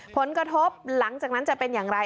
ผลกระทบหลังจากนั้นจะเป็นอย่างไร